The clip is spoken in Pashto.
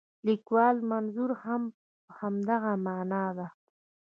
د لیکوال منظور هم همدغه معنا ده.